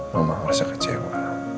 mama merasa kecewa